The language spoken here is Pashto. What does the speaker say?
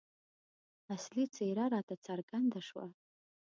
اصلي څېره راته څرګنده شوه.